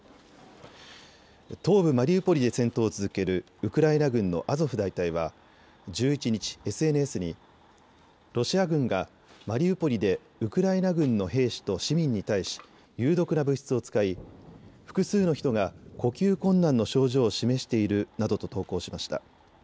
東部マリウポリで戦闘を続けるウクライナ軍のアゾフ大隊は１１日、ＳＮＳにロシア軍がマリウポリでウクライナ軍の兵士と市民に対し有毒な物質を使い複数の人が呼吸困難の症状を示しているなどと投稿しました。